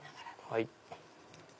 はい。